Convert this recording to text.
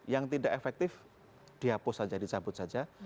yang tidak efektif dihapus saja dicabut saja